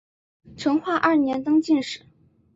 成化二年登进士。